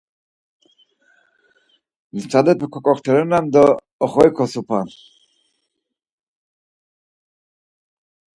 Nisalepek k̆ok̆oxterenan do oxori kosupan.